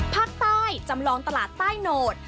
ภาคใต้จำลองตลาดใต้โนธ